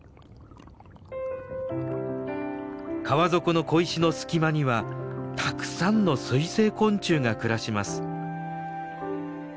川底の小石の隙間にはたくさんの水生昆虫が暮らします。